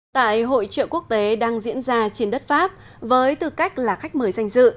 tại hội trợ quốc tế đang diễn ra trên đất pháp với tư cách là khách mời danh dự